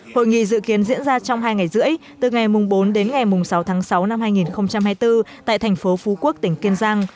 hội nghị dự kiến diễn ra trong hai ngày rưỡi từ ngày bốn đến ngày sáu tháng sáu năm hai nghìn hai mươi bốn tại thành phố phú quốc tỉnh kiên giang